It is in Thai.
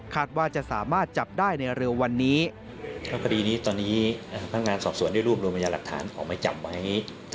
คาดว่าจะสามารถจับได้ในเรียววันนี้